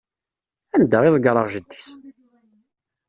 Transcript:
Anda i ḍeggreɣ jeddi-s?